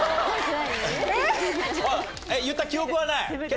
言った記憶はない？